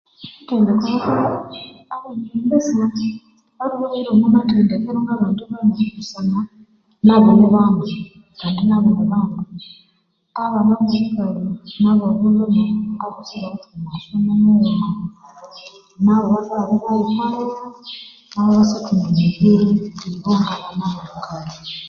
Abambesa ibabahira omwa mathendekero ngabandi bana busana nabo ni bana, kandi nabo nibandu abana bobukali, nabobulhume abosi bawithe omughaso ni mughuma, nabo batholere ibayikalirako ibasyathunga emibiri ibo ngabana bobukali.